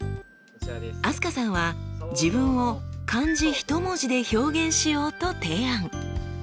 飛鳥さんは自分を漢字ひと文字で表現しようと提案。